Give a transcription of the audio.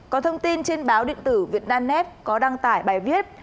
có thông tin trên báo điện tử việt nam netf có đăng tải bài viết